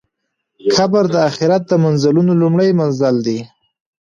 قبر د آخرت د منزلونو لومړی منزل دی.